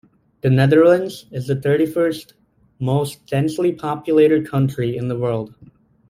The Netherlands is the thirty-first most densely populated country in the world.